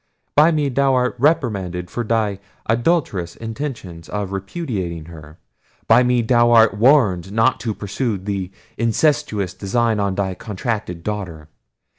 By me thou art reprimanded for thy adulterous intention of repudiating her: by me thou art warned not to pursue the incestuous design on thy contracted daughter.